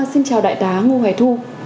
vâng xin chào đại tá ngô hoài thu